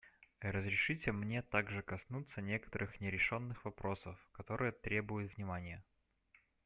Разрешите мне также коснуться некоторых нерешенных вопросов, которые требуют внимания.